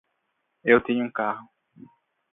Eu tenho um carro.